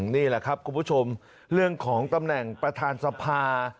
นี่แหละครับคุณผู้ชมเรื่องของตำแหน่งประธานสภา